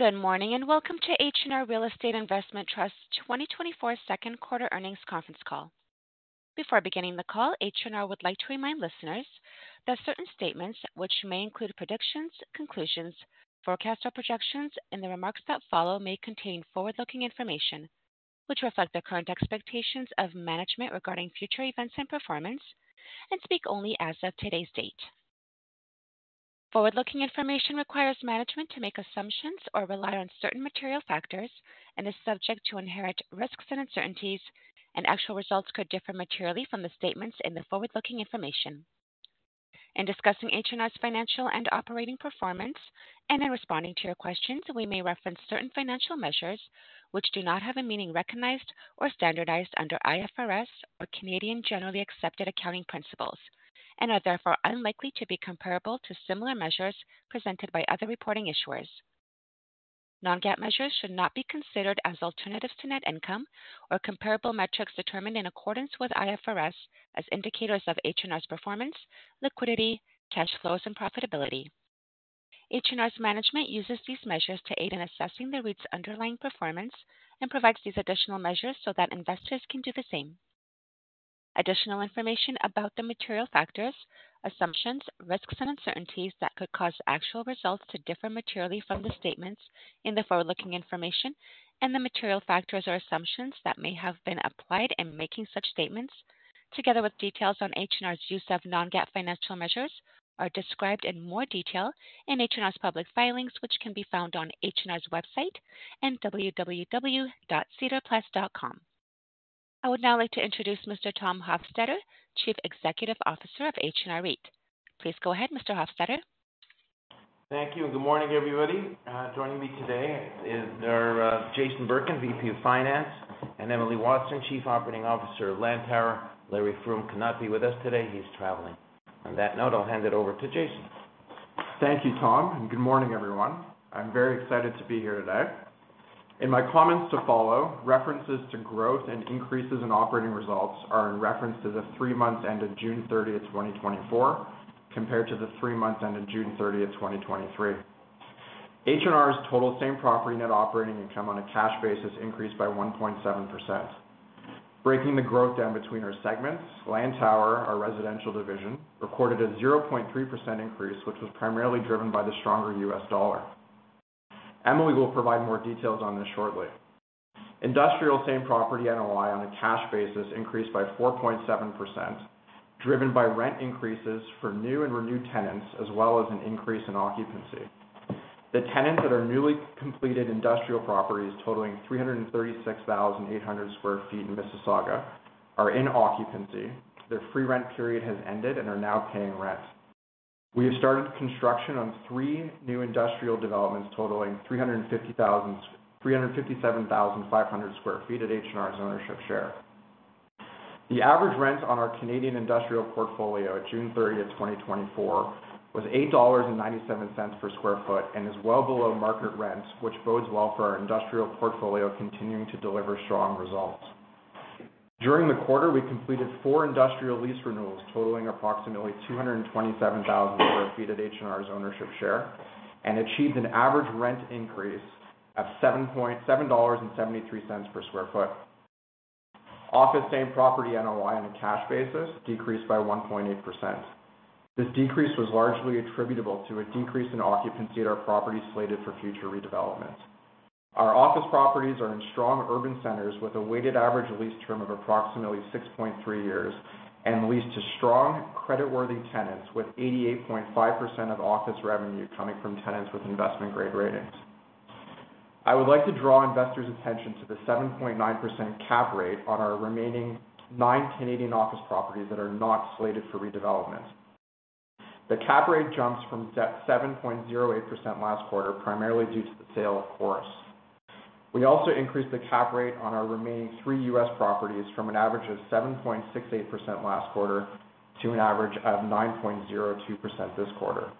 Good morning, and welcome to H&R Real Estate Investment Trust 2024 second quarter earnings conference call. Before beginning the call, H&R would like to remind listeners that certain statements, which may include predictions, conclusions, forecast or projections, and the remarks that follow, may contain forward-looking information, which reflect the current expectations of management regarding future events and performance and speak only as of today's date. Forward-looking information requires management to make assumptions or rely on certain material factors and is subject to inherent risks and uncertainties, and actual results could differ materially from the statements in the forward-looking information. In discussing H&R's financial and operating performance, and in responding to your questions, we may reference certain financial measures which do not have a meaning recognized or standardized under IFRS or Canadian Generally Accepted Accounting Principles, and are therefore unlikely to be comparable to similar measures presented by other reporting issuers. Non-GAAP measures should not be considered as alternatives to net income or comparable metrics determined in accordance with IFRS as indicators of H&R's performance, liquidity, cash flows, and profitability. H&R's management uses these measures to aid in assessing the REIT's underlying performance and provides these additional measures so that investors can do the same. Additional information about the material factors, assumptions, risks, and uncertainties that could cause actual results to differ materially from the statements in the forward-looking information and the material factors or assumptions that may have been applied in making such statements, together with details on H&R's use of non-GAAP financial measures, are described in more detail in H&R's public filings, which can be found on H&R's website and www.sedarplus.com. I would now like to introduce Mr. Tom Hofstedter, Chief Executive Officer of H&R REIT. Please go ahead, Mr. Hofstedter. Thank you, and good morning, everybody. Joining me today is our Jason Birken, VP of Finance, and Emily Watson, Chief Operating Officer of Lantower. Larry Froom cannot be with us today. He's traveling. On that note, I'll hand it over to Jason. Thank you, Tom, and good morning, everyone. I'm very excited to be here today. In my comments to follow, references to growth and increases in operating results are in reference to the three months ended June 30th, 2024, compared to the three months ended June 30th, 2023. H&R's total same property net operating income on a cash basis increased by 1.7%. Breaking the growth down between our segments, Lantower, our residential division, recorded a 0.3% increase, which was primarily driven by the stronger U.S. dollar. Emily will provide more details on this shortly. Industrial same property NOI on a cash basis increased by 4.7%, driven by rent increases for new and renewed tenants, as well as an increase in occupancy. The tenants that are newly completed industrial properties, totaling 336,800 sq ft in Mississauga are in occupancy. Their free rent period has ended and are now paying rent. We have started construction on three new industrial developments, totaling 357,500 sq ft at H&R's ownership share. The average rent on our Canadian industrial portfolio at June 30th, 2024, was 8.97 dollars per sq ft and is well below market rents, which bodes well for our industrial portfolio, continuing to deliver strong results. During the quarter, we completed four industrial lease renewals, totaling approximately 227,000 sq ft at H&R's ownership share, and achieved an average rent increase of $7.73 per sq ft. Office same-property NOI on a cash basis decreased by 1.8%. This decrease was largely attributable to a decrease in occupancy at our property slated for future redevelopment. Our office properties are in strong urban centers with a weighted average lease term of approximately 6.3 years, and leased to strong creditworthy tenants, with 88.5% of office revenue coming from tenants with investment-grade ratings. I would like to draw investors' attention to the 7.9% cap rate on our remaining nine Canadian office properties that are not slated for redevelopment. The cap rate jumps from 7.08% last quarter, primarily due to the sale of Corus. We also increased the cap rate on our remaining three U.S. properties from an average of 7.68% last quarter to an average of 9.02% this quarter.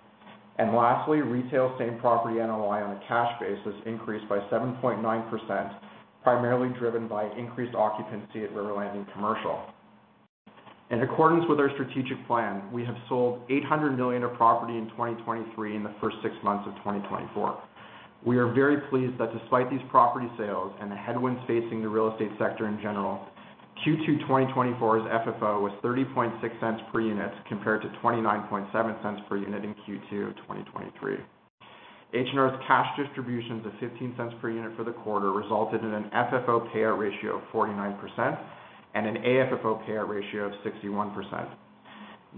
And lastly, retail same-property NOI on a cash basis increased by 7.9%, primarily driven by increased occupancy at River Landing Commercial. In accordance with our strategic plan, we have sold 800 million of property in 2023 in the first six months of 2024. We are very pleased that despite these property sales and the headwinds facing the real estate sector in general, Q2 2024's FFO was 0.306 per unit, compared to 0.297 per unit in Q2 of 2023. H&R's cash distributions of 0.15 per unit for the quarter resulted in an FFO payout ratio of 49% and an AFFO payout ratio of 61%.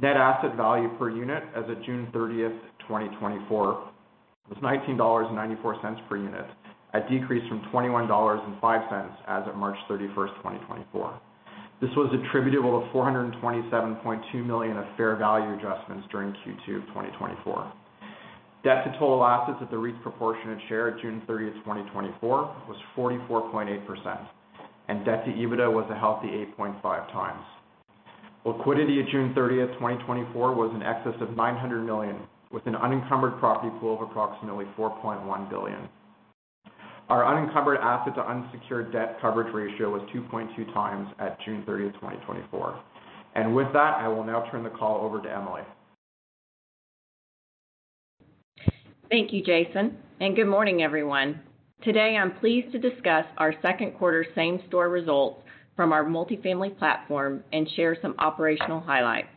Net asset value per unit as of June 30th, 2024, was 19.94 dollars per unit, a decrease from 21.05 dollars as of March 31st, 2024. This was attributable to 427.2 million of fair value adjustments during Q2 of 2024. Debt to total assets at the REIT's proportionate share at June 30th, 2024, was 44.8%, and debt to EBITDA was a healthy 8.5x. Liquidity at June 30th, 2024, was in excess of 900 million, with an unencumbered property pool of approximately 4.1 billion. Our unencumbered asset to unsecured debt coverage ratio was 2.2x at June 30th, 2024. With that, I will now turn the call over to Emily. Thank you, Jason, and good morning, everyone. Today, I'm pleased to discuss our second quarter same-store results from our multifamily platform and share some operational highlights.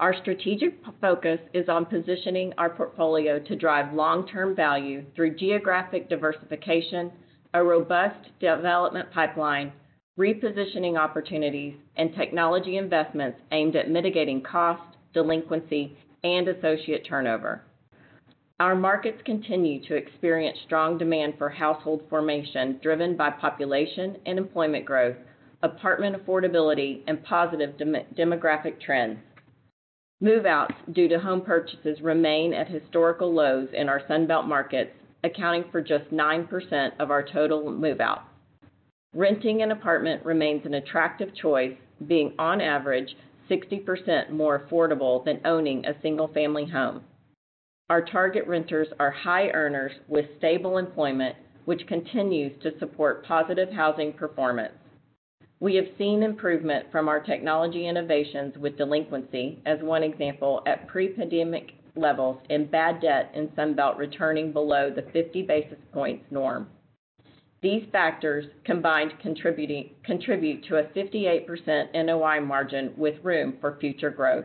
Our strategic focus is on positioning our portfolio to drive long-term value through geographic diversification, a robust development pipeline, repositioning opportunities, and technology investments aimed at mitigating cost, delinquency, and associate turnover. Our markets continue to experience strong demand for household formation, driven by population and employment growth, apartment affordability, and positive demographic trends. Move-outs due to home purchases remain at historical lows in our Sun Belt markets, accounting for just 9% of our total move-out. Renting an apartment remains an attractive choice, being on average, 60% more affordable than owning a single-family home. Our target renters are high earners with stable employment, which continues to support positive housing performance. We have seen improvement from our technology innovations with delinquency, as one example, at pre-pandemic levels in bad debt in Sun Belt, returning below the 50 basis points norm. These factors, combined, contribute to a 58% NOI margin, with room for future growth.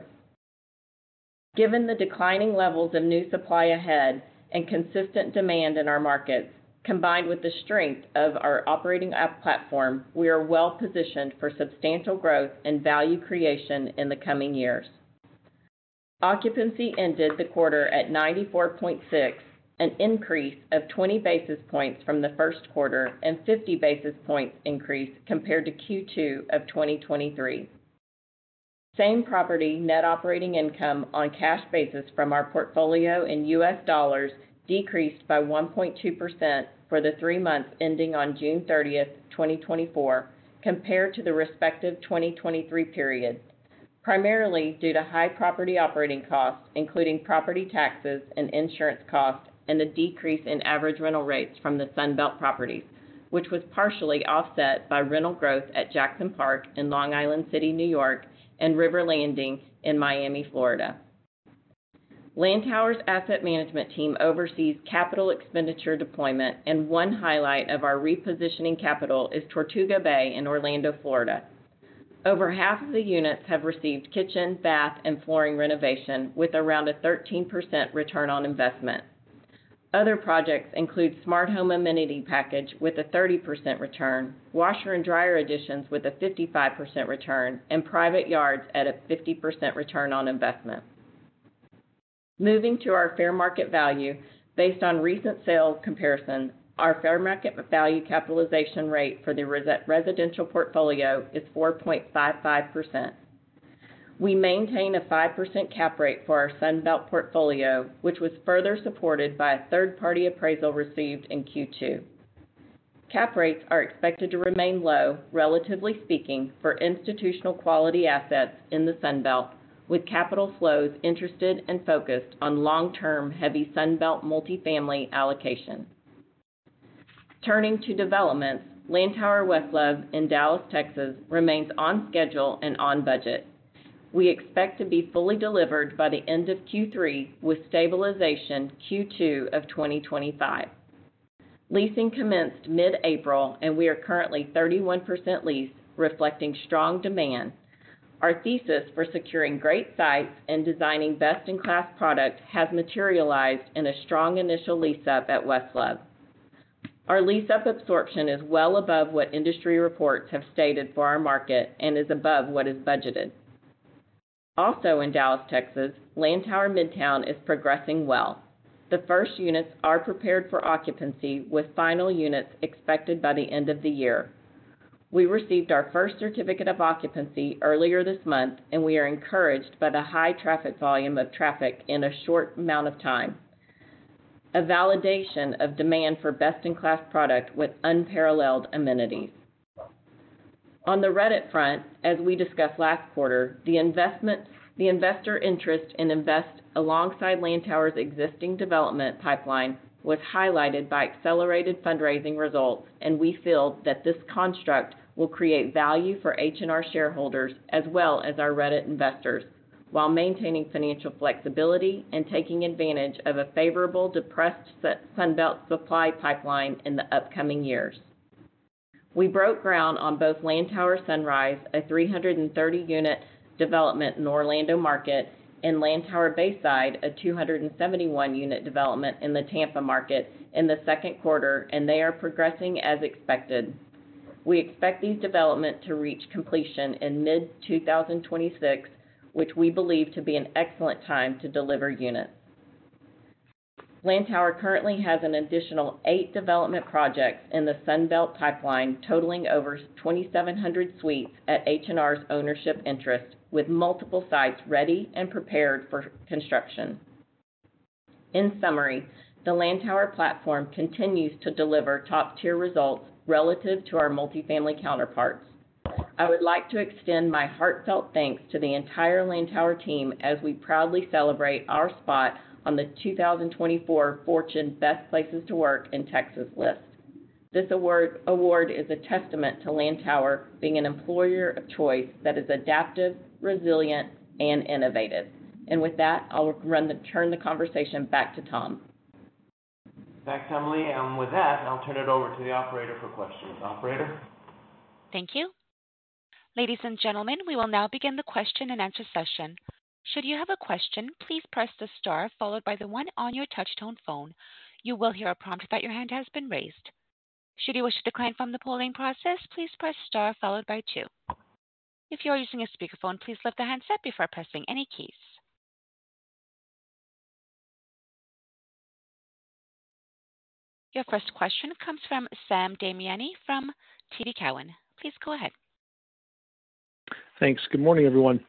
Given the declining levels of new supply ahead and consistent demand in our markets, combined with the strength of our operating app platform, we are well positioned for substantial growth and value creation in the coming years. Occupancy ended the quarter at 94.6%, an increase of 20 basis points from the first quarter, and 50 basis points increase compared to Q2 of 2023. Same-property net operating income on a cash basis from our portfolio in U.S. dollars decreased by 1.2% for the three months ending on June 30th, 2024, compared to the respective 2023 period, primarily due to high property operating costs, including property taxes and insurance costs, and a decrease in average rental rates from the Sun Belt properties, which was partially offset by rental growth at Jackson Park in Long Island City, New York, and River Landing in Miami, Florida. Lantower's asset management team oversees capital expenditure deployment, and one highlight of our repositioning capital is Tortuga Bay in Orlando, Florida. Over half of the units have received kitchen, bath, and flooring renovation, with around a 13% return on investment. Other projects include smart home amenity package with a 30% return, washer and dryer additions with a 55% return, and private yards at a 50% return on investment. Moving to our fair market value. Based on recent sales comparisons, our fair market value capitalization rate for the residential portfolio is 4.55%. We maintain a 5% cap rate for our Sun Belt portfolio, which was further supported by a third-party appraisal received in Q2. Cap rates are expected to remain low, relatively speaking, for institutional-quality assets in the Sun Belt, with capital flows interested and focused on long-term, heavy Sun Belt multifamily allocation. Turning to developments, Lantower West Love in Dallas, Texas, remains on schedule and on budget. We expect to be fully delivered by the end of Q3, with stabilization Q2 of 2025. Leasing commenced mid-April, and we are currently 31% leased, reflecting strong demand. Our thesis for securing great sites and designing best-in-class product has materialized in a strong initial lease-up at West Love. Our lease-up absorption is well above what industry reports have stated for our market and is above what is budgeted. Also, in Dallas, Texas, Lantower Midtown is progressing well. The first units are prepared for occupancy, with final units expected by the end of the year. We received our first certificate of occupancy earlier this month, and we are encouraged by the high volume of traffic in a short amount of time, a validation of demand for best-in-class product with unparalleled amenities. On the residential front, as we discussed last quarter, the investor interest in investing alongside Lantower's existing development pipeline was highlighted by accelerated fundraising results, and we feel that this construct will create value for H&R shareholders as well as our residential investors, while maintaining financial flexibility and taking advantage of a favorable, depressed Sun Belt supply pipeline in the upcoming years. We broke ground on both Lantower Sunrise, a 330-unit development in the Orlando market, and Lantower Bayside, a 271-unit development in the Tampa market, in the second quarter, and they are progressing as expected. We expect these developments to reach completion in mid-2026, which we believe to be an excellent time to deliver units. Lantower currently has an additional eight development projects in the Sun Belt pipeline, totaling over 2,700 suites at H&R's ownership interest, with multiple sites ready and prepared for construction. In summary, the Lantower platform continues to deliver top-tier results relative to our multifamily counterparts. I would like to extend my heartfelt thanks to the entire Lantower team as we proudly celebrate our spot on the 2024 Fortune Best Places to Work in Texas list. This award is a testament to Lantower being an employer of choice that is adaptive, resilient, and innovative. And with that, I'll turn the conversation back to Tom. Thanks, Emily. With that, I'll turn it over to the operator for questions. Operator? Thank you. Ladies and gentlemen, we will now begin the question and answer session. Should you have a question, please press the star followed by the one on your touchtone phone. You will hear a prompt that your hand has been raised. Should you wish to decline from the polling process, please press star followed by two. If you are using a speakerphone, please lift the handset before pressing any keys. Your first question comes from Sam Damiani from TD Cowen. Please go ahead. Thanks. Good morning, everyone.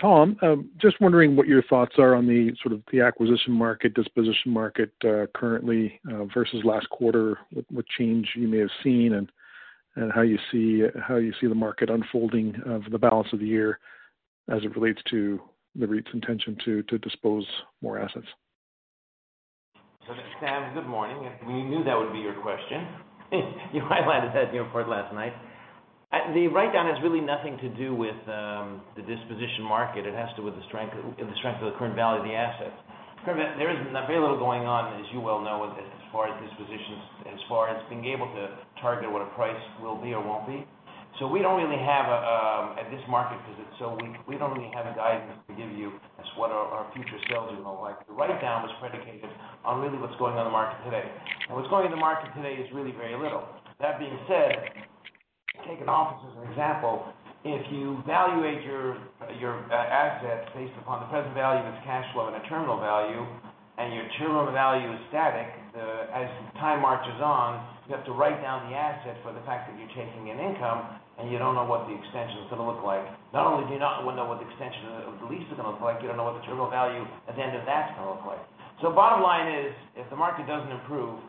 Tom, just wondering what your thoughts are on the sort of the acquisition market, disposition market, currently, versus last quarter, what change you may have seen and how you see the market unfolding for the balance of the year as it relates to the REIT's intention to dispose more assets? So Sam, good morning. We knew that would be your question. You highlighted that in your report last night. The write-down has really nothing to do with the disposition market. It has to do with the strength, the strength of the current value of the assets. There is very little going on, as you well know, as far as dispositions, as far as being able to target what a price will be or won't be. So we don't really have a at this market visit, so we, we don't really have a guidance to give you as what our, our future sales are going to look like. The write-down was predicated on really what's going on in the market today. And what's going in the market today is really very little. That being said, taking office as an example, if you valuate your assets based upon the present value of its cash flow and a terminal value, and your terminal value is static, as time marches on, you have to write down the asset for the fact that you're taking in income, and you don't know what the extension is gonna look like. Not only do you not know what the extension of the lease is gonna look like, you don't know what the terminal value at the end of that is gonna look like. So bottom line is, if the market doesn't improve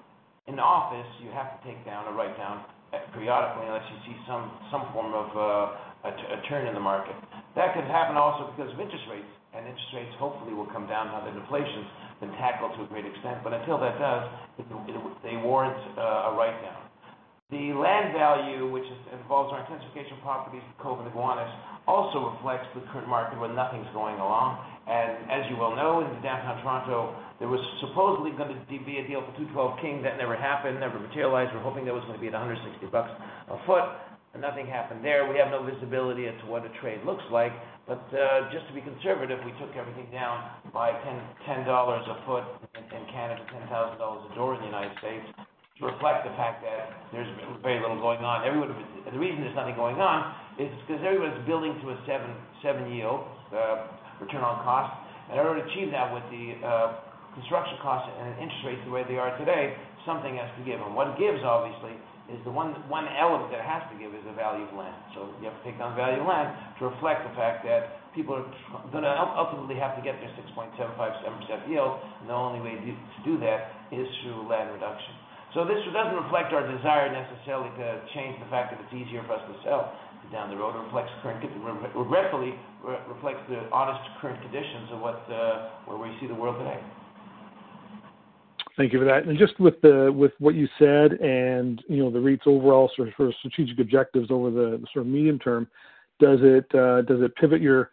in the office, you have to take down a write-down periodically, unless you see some form of a turn in the market. That could happen also because of interest rates, and interest rates hopefully will come down now that inflation's been tackled to a great extent. But until that does, it warrants a write-down. The land value, which involves our intensification properties, Cove and Gowanus, also reflects the current market where nothing's going on. And as you well know, in downtown Toronto, there was supposedly going to be a deal for 212 King. That never happened, never materialized. We're hoping there was going to be at 160 bucks a foot, but nothing happened there. We have no visibility as to what a trade looks like. But just to be conservative, we took everything down by 10 dollars a foot in Canada, $10,000 a door in the United States, to reflect the fact that there's very little going on. The reason there's nothing going on is because everyone's building to a 7-yield return on cost. And in order to achieve that with the construction costs and interest rates the way they are today, something has to give. And what gives, obviously, is the one element that has to give is the value of land. So you have to take down the value of land to reflect the fact that people are gonna ultimately have to get their 6.75%-7% yield. The only way to do that is through land reduction. So this doesn't reflect our desire necessarily to change the fact that it's easier for us to sell down the road. It reflects current, regretfully, reflects the honest current conditions of what, where we see the world today. Thank you for that. Just with what you said, you know, the REIT's overall sort of strategic objectives over the sort of medium term, does it pivot your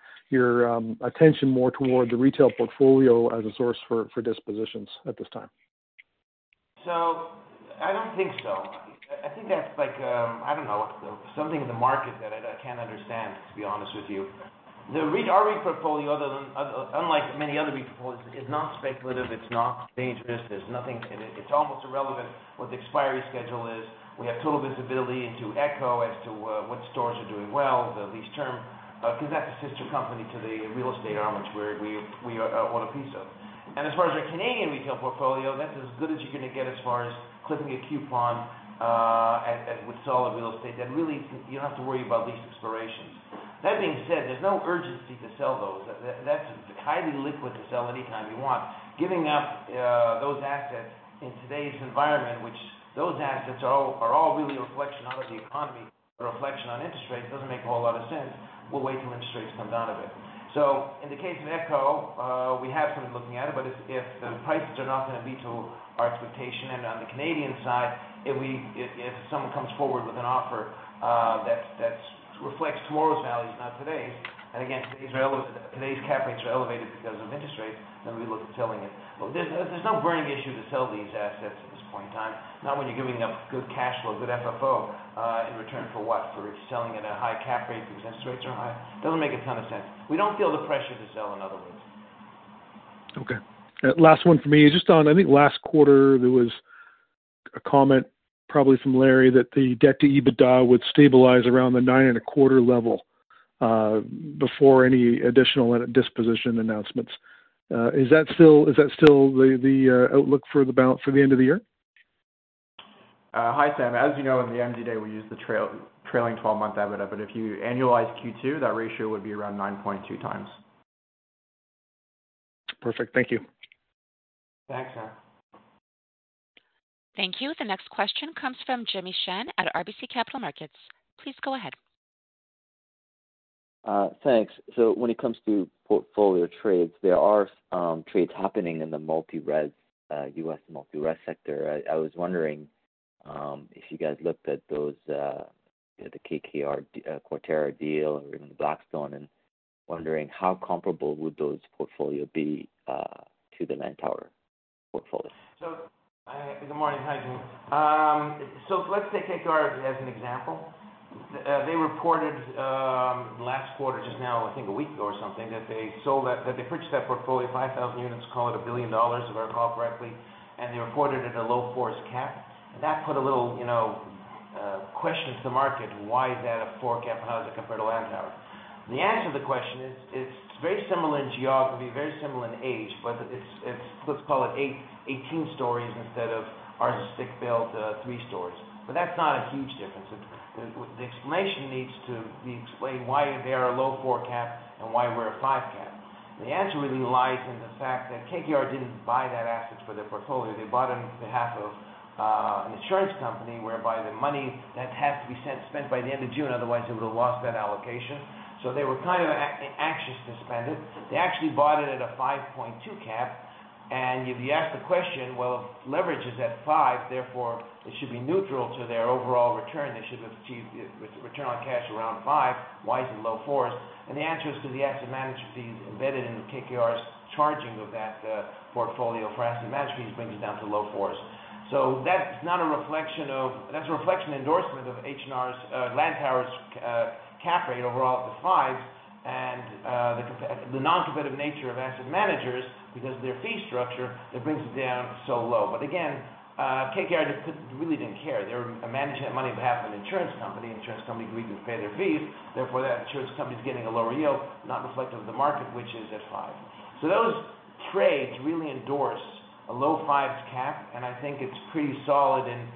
attention more toward the retail portfolio as a source for dispositions at this time? So I don't think so. I think that's like, I don't know, something in the market that I can't understand, to be honest with you. Our REIT portfolio, other than, unlike many other REIT portfolios, is not speculative, it's not dangerous, there's nothing. It's almost irrelevant what the expiry schedule is. We have total visibility into ECHO as to what stores are doing well, the lease term, because that's a sister company to the real estate arm, which we own a piece of. And as far as our Canadian retail portfolio, that's as good as you're going to get as far as clipping a coupon, at with solid real estate. That really, you don't have to worry about lease expirations. That being said, there's no urgency to sell those. That's highly liquid to sell anytime you want. Giving up those assets in today's environment, which those assets are all really a reflection on the economy, a reflection on interest rates, it doesn't make a whole lot of sense. We'll wait till interest rates come down a bit. So in the case of ECHO, we have been looking at it. But if the prices are not going to meet to our expectation, and on the Canadian side, if someone comes forward with an offer that reflects tomorrow's values, not today's, and again, today's cap rates are elevated because of interest rates, then we look at selling it. But there's no burning issue to sell these assets at this point in time, not when you're giving up good cash flow, good FFO, in return for what? For selling at a high cap rate because interest rates are high. Doesn't make a ton of sense. We don't feel the pressure to sell in other words. Okay, last one for me. Just on, I think last quarter, there was a comment, probably from Larry, that the debt to EBITDA would stabilize around the 9.25% level, before any additional disposition announcements. Is that still, is that still the, the, outlook for the balance for the end of the year? Hi, Sam. As you know, in the MD&A, we use the trailing 12-month EBITDA, but if you annualize Q2, that ratio would be around 9.2x. Perfect. Thank you. Thanks, Sam. Thank you. The next question comes from Jimmy Shan at RBC Capital Markets. Please go ahead. ..Thanks. So when it comes to portfolio trades, there are trades happening in the multi-res, U.S. multi-res sector. I was wondering if you guys looked at those, the KKR, Quarterra deal or even Blackstone, and wondering how comparable would those portfolio be to the Lantower portfolio? So, good morning. Hi, Jim. So let's take KKR as an example. They reported last quarter, just now, I think a week or something, that they sold that—that they purchased that portfolio, 5,000 units, call it $1 billion, if I recall correctly, and they reported it a low-4% cap. And that put a little, you know, questions to market. Why is that a 4% cap? How does it compare to Lantower? The answer to the question is, it's very similar in geography, very similar in age, but it's, it's let's call it 18 stories instead of our stick-built, 3 stories. But that's not a huge difference. The explanation needs to be explained why they are a low 4% cap and why we're a 5% cap. The answer really lies in the fact that KKR didn't buy that asset for their portfolio. They bought it on behalf of an insurance company, whereby the money that had to be spent by the end of June, otherwise they would have lost that allocation. So they were kind of anxious to spend it. They actually bought it at a 5.2% cap. And if you ask the question, well, if leverage is at 5%, therefore it should be neutral to their overall return. They should have achieved a return on cash around 5%. Why is it low-4%? And the answer is, to the asset management fees embedded in the KKR's charging of that portfolio for asset management fees, brings it down to low-4%. So that's not a reflection of—that's a reflection endorsement of H&R's, Lantower's, cap rate overall at the 5%. And, the non-competitive nature of asset managers, because of their fee structure, that brings it down so low. But again, KKR just could, really didn't care. They're managing that money on behalf of an insurance company. Insurance company agreed to pay their fees, therefore, that insurance company is getting a lower yield, not reflective of the market, which is at 5%. So those trades really endorse a low-5% cap, and I think it's pretty solid. And,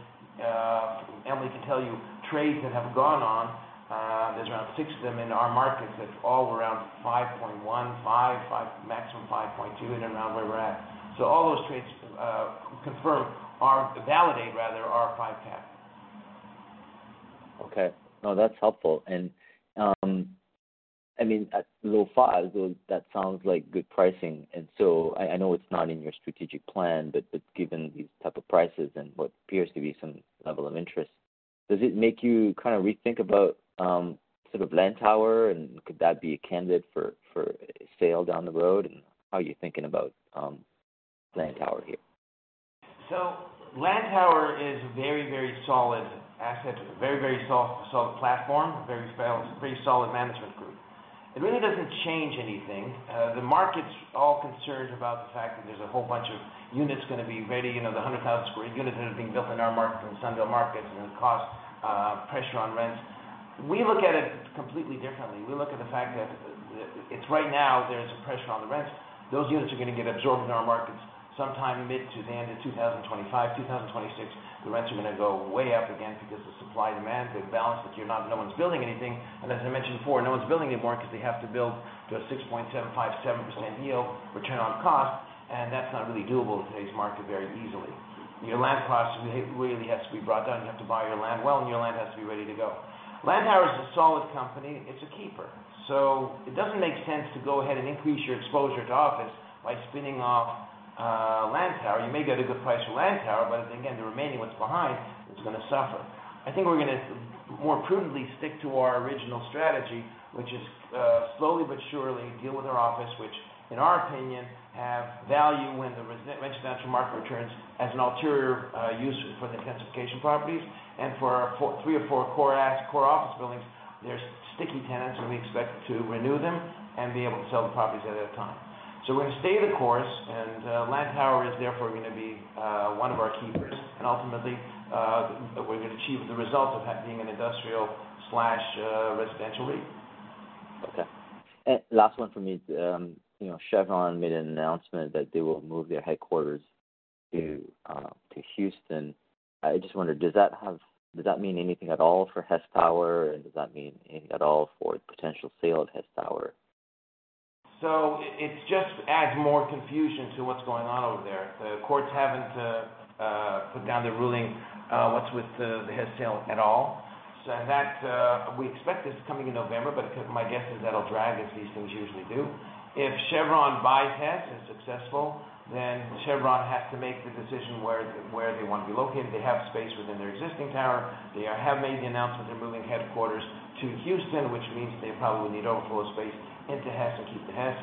Emily can tell you, trades that have gone on, there's around six of them in our markets, that's all around 5.1%, 5.5%, maximum 5.2%, in around where we're at. So all those trades confirm or validate, rather, our 5% cap. Okay. No, that's helpful. And, I mean, at low-5%, though, that sounds like good pricing. And so I know it's not in your strategic plan, but given these type of prices and what appears to be some level of interest, does it make you kind of rethink about sort of Lantower, and could that be a candidate for sale down the road? And how are you thinking about Lantower here? Lantower is a very, very solid asset, very, very solid, solid platform, very well, pretty solid management group. It really doesn't change anything. The market's all concerned about the fact that there's a whole bunch of units going to be ready, you know, the 100,000 square units that are being built in our market, in Sun Belt markets, and cost pressure on rents. We look at it completely differently. We look at the fact that, it's right now, there's some pressure on the rents. Those units are going to get absorbed in our markets sometime mid- to the end of 2025-2026. The rents are going to go way up again, because the supply/demand, the balance that no one's building anything. As I mentioned before, no one's building anymore because they have to build to a 6.757% yield return on cost. That's not really doable in today's market very easily. Your land costs really has to be brought down. You have to buy your land well, and your land has to be ready to go. Lantower is a solid company. It's a keeper. It doesn't make sense to go ahead and increase your exposure to office by spinning off Lantower. You may get a good price for Lantower, but again, the remaining what's behind is going to suffer. I think we're going to more prudently stick to our original strategy, which is slowly but surely deal with our office, which in our opinion have value when the residential market returns, as an ulterior use for the intensification properties and for our three or four core office buildings. There's sticky tenants, and we expect to renew them and be able to sell the properties ahead of time. So we're going to stay the course, and Lantower is therefore going to be one of our keepers. And ultimately, we're going to achieve the results of that being an industrial slash residential lease. Okay. And last one for me. You know, Chevron made an announcement that they will move their headquarters to Houston. I just wondered, does that mean anything at all for Hess Tower, and does that mean anything at all for the potential sale of Hess Tower? So it just adds more confusion to what's going on over there. The courts haven't put down the ruling, what's with the Hess sale at all. So that we expect this coming in November, but my guess is that'll drag, as these things usually do. If Chevron buys Hess and successful, then Chevron has to make the decision where they want to be located. They have space within their existing tower. They have made the announcement they're moving headquarters to Houston, which means they probably need overflow space into Hess to keep the Hess.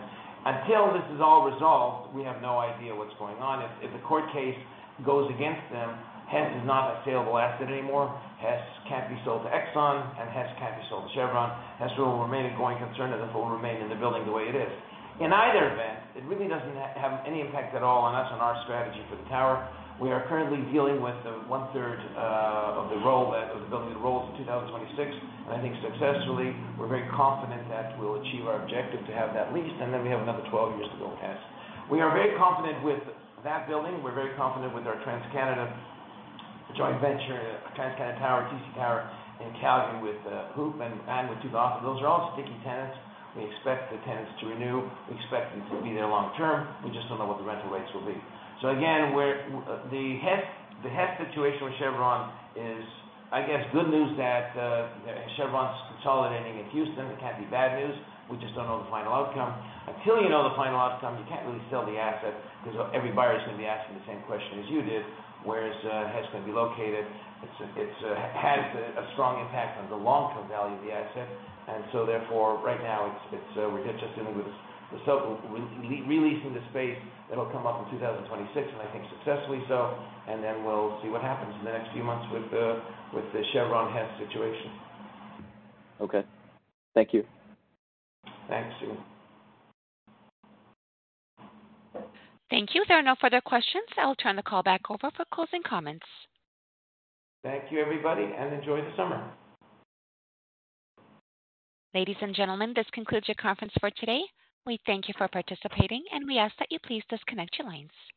Until this is all resolved, we have no idea what's going on. If the court case goes against them, Hess is not a saleable asset anymore. Hess can't be sold to Exxon, and Hess can't be sold to Chevron. Hess will remain a going concern, and therefore will remain in the building the way it is. In either event, it really doesn't have any impact at all on us and our strategy for the tower. We are currently dealing with the 1/3 of the roll that of the building, the rolls in 2026. And I think successfully, we're very confident that we'll achieve our objective to have that leased, and then we have another 12 years to go with Hess. We are very confident with that building. We're very confident with our TransCanada joint venture, TransCanada Tower, TC Tower in Calgary, with HOOPP and with The Bow. Those are all sticky tenants. We expect the tenants to renew, expect them to be there long term. We just don't know what the rental rates will be. So again, we're the Hess, the Hess situation with Chevron is, I guess, good news that Chevron's consolidating in Houston. It can't be bad news. We just don't know the final outcome. Until you know the final outcome, you can't really sell the asset, because every buyer is going to be asking the same question as you did: Where is Hess going to be located? It has a strong impact on the long-term value of the asset. And so therefore, right now it's we're just dealing with the re-releasing the space. It'll come up in 2026, and I think successfully so. And then we'll see what happens in the next few months with the Chevron-Hess situation. Okay. Thank you. Thanks, Jim. Thank you. There are no further questions. I'll turn the call back over for closing comments. Thank you, everybody, and enjoy the summer. Ladies and gentlemen, this concludes your conference for today. We thank you for participating, and we ask that you please disconnect your lines.